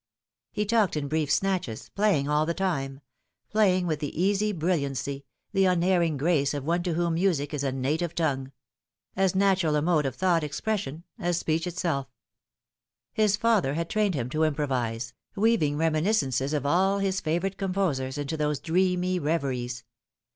He talked in brief snatches, playing all the time playiag with the easy brilliancy, the unerring grace of one to whom music is a native tongue as natural a mode of thought expres sion as speech itself. His father had trained him to improvise, weaving reminiscences of all his favourite composers into those dreamy reveries.